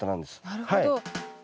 なるほど。